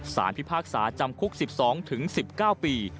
ศาลพิพากษาจำคุก๑๒ถึง๑๙ปี